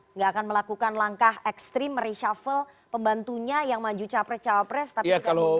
enggak akan melakukan langkah ekstrim mereshavel pembantunya yang maju capres capres tapi tidak mundur